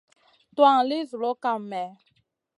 Tuwan li zuloʼ kam mèh ?